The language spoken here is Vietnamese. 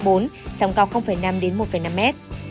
sông cao năm một năm m